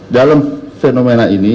dalam fenomena ini